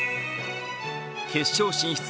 決勝進出